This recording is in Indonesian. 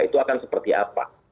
itu akan seperti apa